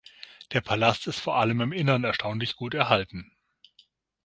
Der Palast ist vor allem im Innern erstaunlich gut erhalten.